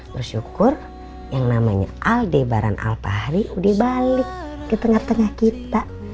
bersyukur yang namanya aldebaran al fahri udah balik ke tengah tengah kita